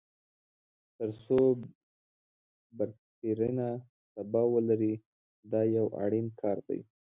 تر څو بهترینه سبا ولري دا یو اړین کار دی.